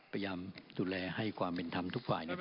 พยายามดูแลให้ความเป็นธรรมทุกฝ่าย